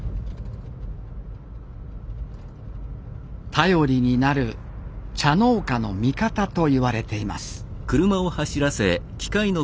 頼りになる茶農家の味方と言われています